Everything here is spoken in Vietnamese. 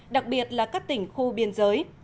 đặc biệt là các tỉnh khu biên giới